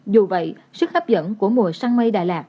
dù vậy sức hấp dẫn của mùa săn mây đà lạt